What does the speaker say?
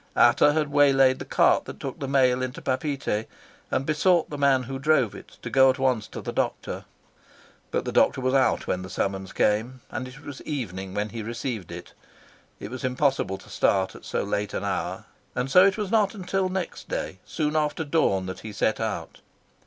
Ata had waylaid the cart that took the mail into Papeete, and besought the man who drove it to go at once to the doctor. But the doctor was out when the summons came, and it was evening when he received it. It was impossible to start at so late an hour, and so it was not till next day soon after dawn that he set out.